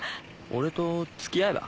俺と付き合えば？